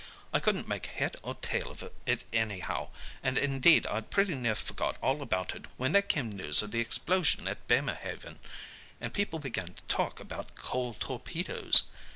I couldn't make head or tail of it anyhow, and indeed I'd pretty near forgot all about it when there came news of the explosion at Bemerhaven, and people began to talk about coal torpedoes.